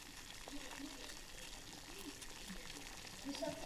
Po otci i matce pocházel ze staré vojenské rodiny.